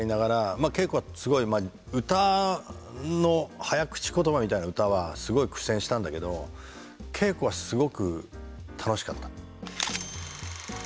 まあ稽古はすごいまあ歌の早口言葉みたいな歌はすごい苦戦したんだけど稽古はすごく楽しかった。